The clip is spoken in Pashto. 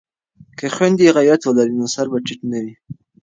که خویندې غیرت ولري نو سر به ټیټ نه وي.